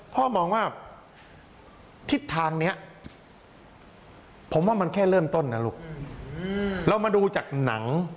พ่อมองว่าทิศทางนี้ผมว่ามันแค่เริ่มต้นนะลูกเรามาดูจากหนัง